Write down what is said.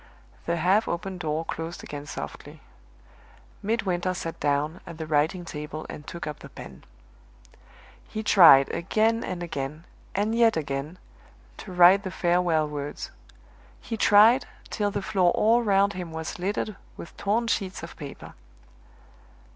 The half opened door closed again softly. Midwinter sat down at the writing table and took up the pen. He tried again and again, and yet again, to write the farewell words; he tried, till the floor all round him was littered with torn sheets of paper.